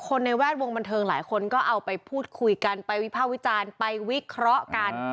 ในแวดวงบันเทิงหลายคนก็เอาไปพูดคุยกันไปวิภาควิจารณ์ไปวิเคราะห์กัน